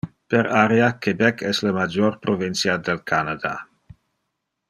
Per area, Quebec es le major provincia del Canada.